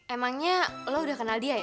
emangnya lo udah kenal dia ya